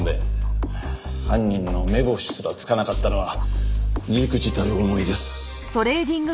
犯人の目星すらつかなかったのは忸怩たる思いです。